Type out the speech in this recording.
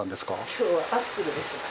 今日はアスクルです。